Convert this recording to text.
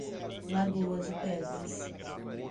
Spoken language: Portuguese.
Lagoa de Pedras